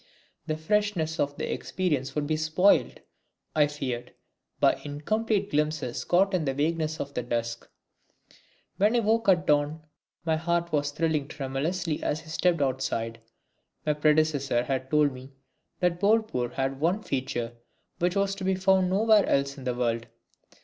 The freshness of the experience would be spoilt, I feared, by incomplete glimpses caught in the vagueness of the dusk. When I woke at dawn my heart was thrilling tremulously as I stepped outside. My predecessor had told me that Bolpur had one feature which was to be found nowhere else in the world.